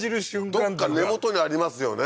どっか根元にありますよね